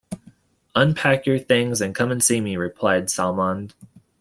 "Unpack your things, and come and see me", replied Salmond.